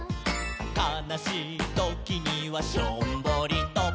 「かなしいときにはしょんぼりと」